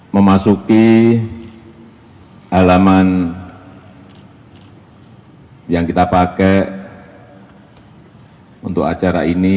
memasuki halaman yang kita pakai untuk acara ini